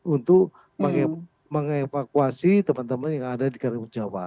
untuk mengevakuasi teman teman yang ada di karimun jawa